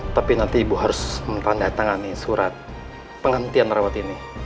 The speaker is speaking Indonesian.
tapi nanti ibu harus menandatangani surat penghentian rawat ini